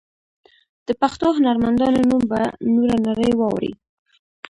د پښتو هنرمندانو نوم به نوره نړۍ واوري.